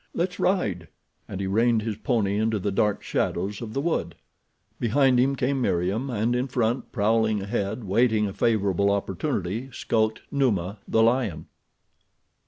"Let's ride," and he reined his pony into the dark shadows of the wood. Behind him came Meriem and in front, prowling ahead waiting a favorable opportunity, skulked Numa, the lion.